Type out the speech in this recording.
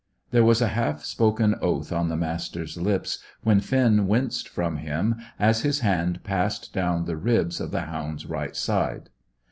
There was a half spoken oath on the Master's lips when Finn winced from him as his hand passed down the ribs of the hound's right side.